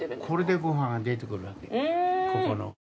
これでご飯が出てくるここの。